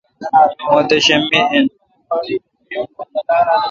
مہ دیشم می این۔